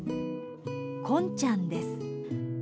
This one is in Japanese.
コンちゃんです。